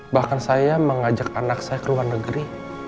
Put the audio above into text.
bahkan saya mengajak anak saya ke luar negeri